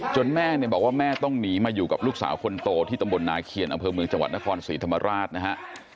แม่เนี่ยบอกว่าแม่ต้องหนีมาอยู่กับลูกสาวคนโตที่ตำบลนาเคียนอำเภอเมืองจังหวัดนครศรีธรรมราชนะฮะ